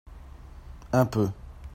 un peu.